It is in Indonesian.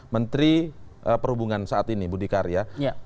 menteri perhubungan saat ini budi karya